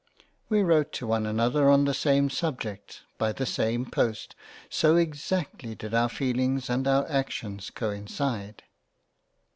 We wrote to one another on the same subject by the same post, so exactly did our feeling and our actions coincide